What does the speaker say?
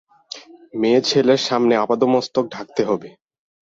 মেয়েছেলের সামনে আপাদমস্তক ঢাকতে হবে।